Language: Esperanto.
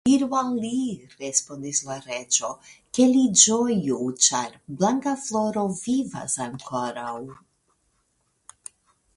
Diru al li, respondis la reĝo, ke li ĝoju, ĉar Blankafloro vivas ankoraŭ.